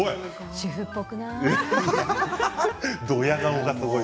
主婦っぽくない？